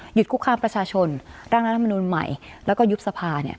หยุดกุคลามประชาชนร่างรัฐมนุมใหม่และก็ยุบสภา